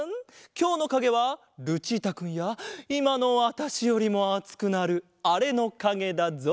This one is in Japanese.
きょうのかげはルチータくんやいまのわたしよりもあつくなるあれのかげだぞ。